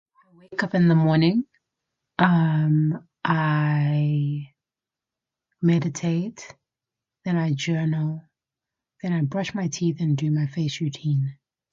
Wake up in the morning, um, I meditate, then I journal, then I brush my teeth and do my face routine.